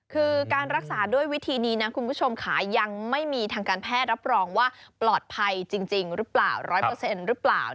คือการรักษาด้วยวิธีนี้นะคุณผู้ชมค่ะยังไม่มีทางการแพทย์รับรองว่าปลอดภัยจริงหรือเปล่า๑๐๐หรือเปล่า